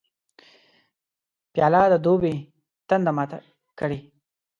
پیاله د دوبي تنده ماته کړي.